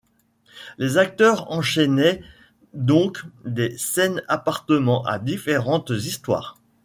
Les acteurs enchainaient donc des scènes appartenant à différentes histoires.